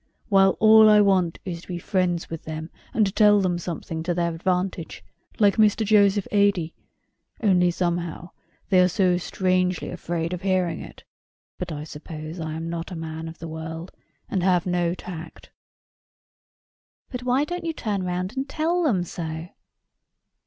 While all I want is to be friends with them, and to tell them something to their advantage, like Mr. Joseph Ady: only somehow they are so strangely afraid of hearing it. But, I suppose I am not a man of the world, and have no tact." "But why don't you turn round and tell them so?"